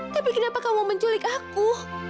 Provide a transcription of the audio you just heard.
tapi kenapa kamu menculik aku